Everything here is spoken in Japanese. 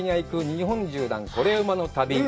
日本縦断コレうまの旅」。